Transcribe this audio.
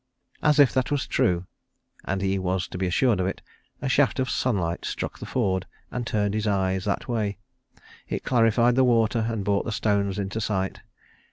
As if that was true, and he was to be assured of it, a shaft of sunlight struck the ford and turned his eyes that way. It clarified the water and brought the stones into sight.